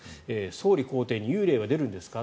総理公邸に幽霊は出るんですか？